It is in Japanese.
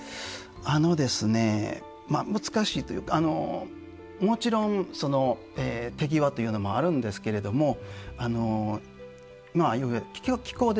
あのですね難しいというかもちろん手際というのもあるんですけれどもまあ気候ですね。